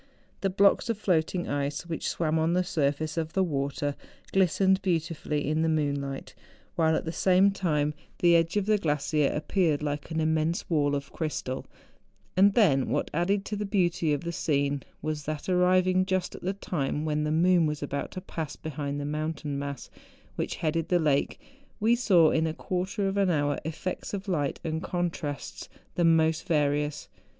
Tlie blocks of floating ice which swam on the surface of the water glistened beautifully in the moonlight; while at the same time the edge of the glacier appeared like an immense wall of crystal, and then what added to the beauty of the scene was, that arriving just at the time when the moon was about to pass behind the mountain mass which headed the lake we saw in a quarter of an hour effects of light and contrasts the most various.